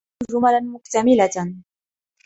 نريد جملا مكتملة.